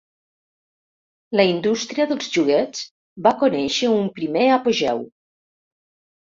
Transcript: La indústria dels joguets va conèixer un primer apogeu.